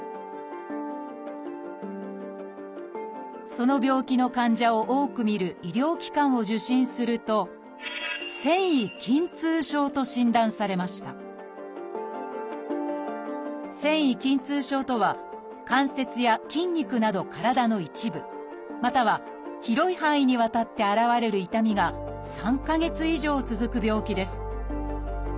その病気の患者を多く診る医療機関を受診すると「線維筋痛症」と診断されました「線維筋痛症」とは関節や筋肉など体の一部または広い範囲にわたって現れる痛みが３か月以上続く病気です